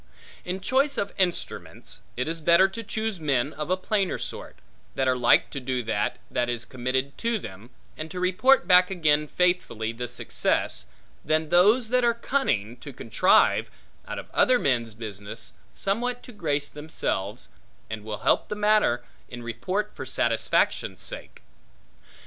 In choice of instruments, it is better to choose men of a plainer sort, that are like to do that, that is committed to them, and to report back again faithfully the success, than those that are cunning, to contrive, out of other men's business, somewhat to grace themselves, and will help the matter in report for satisfaction's sake.